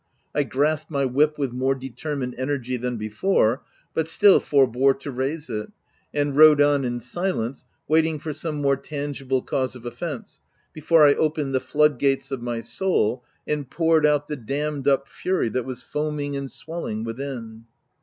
I grasped my whip with more deter mined energy than before — but still forbore to raise it, and rode on in silence, waiting for some more tangible cause of offence, before I opened the floodgates of my soul, and poured out the dammed up fury that was foaming and swelling within.